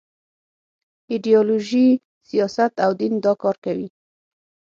ایډیالوژي، سیاست او دین دا کار کوي.